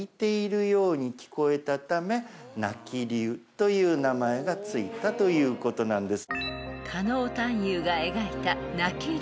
という名前がついたということなんです。